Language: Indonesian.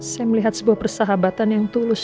saya melihat sebuah persahabatan yang tulus